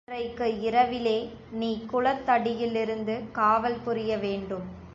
இன்றைக்கு இரவிலே நீ குளத்தடியிலிருந்து காவல் புரிய வேண்டும்.